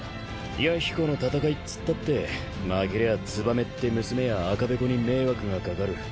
弥彦の戦いっつったって負けりゃあ燕って娘や赤べこに迷惑がかかる。